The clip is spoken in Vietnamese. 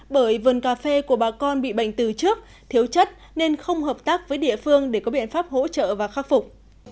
bởi vườn cà phê của bà con bị bệnh từ trước thiếu chất nên không hợp tác với địa phương để có biện pháp hỗ trợ và khắc phục